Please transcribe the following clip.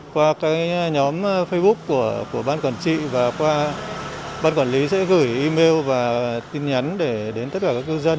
qua nhóm facebook của ban quản trị và ban quản lý sẽ gửi email và tin nhắn đến tất cả các cư dân